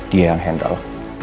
dia yang handle